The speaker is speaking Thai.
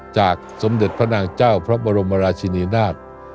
สมเด็จพระนางเจ้าพระบรมราชินีนาฏ